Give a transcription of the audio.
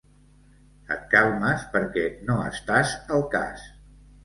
Et calmes perquè no estàs al cas.